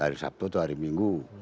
hari sabtu atau hari minggu